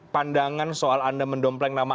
pandangan soal anda mendompleng nama